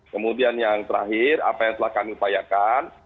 kemudian yang terakhir apa yang telah kami upayakan